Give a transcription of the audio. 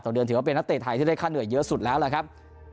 เดือนถือว่าเป็นนักเตะไทยที่ได้ค่าเหนื่อยเยอะสุดแล้วล่ะครับ